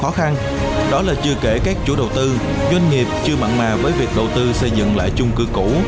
khó khăn đó là chưa kể các chủ đầu tư doanh nghiệp chưa mặn mà với việc đầu tư xây dựng lại chung cư cũ